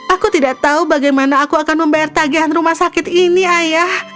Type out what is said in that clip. aku tidak tahu bagaimana aku akan membayar tagihan rumah sakit ini ayah